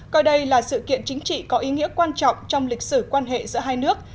coi đây là sự kiện chính trị có ý nghĩa quan trọng trong lịch sử quan hệ giữa hai nước